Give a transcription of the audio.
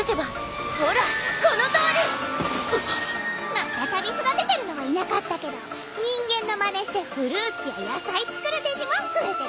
マタタビ育ててるのはいなかったけど人間のまねしてフルーツや野菜作るデジモン増えてるさ。